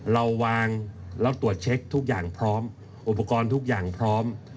เราวางแล้วตรวจเช็คทุกอย่างพร้อมอุปกรณ์ทุกอย่างพร้อม